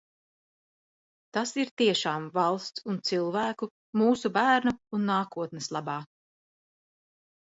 Tas ir tiešām valsts un cilvēku, mūsu bērnu un nākotnes labā.